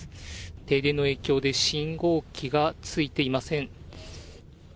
停電の影響で、信号機がついていません。